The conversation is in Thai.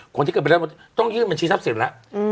คนที่เกิดเป็นในต้องยื่นเป็นชีพทัศน์เสร็จแล้ว